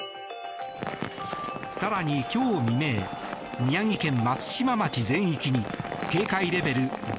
更に、今日未明宮城県松島町全域に警戒レベル